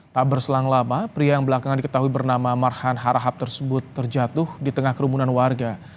tak berselang lama pria yang belakangan diketahui bernama marhan harahap tersebut terjatuh di tengah kerumunan warga